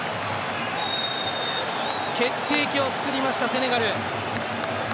決定機を作りましたセネガル。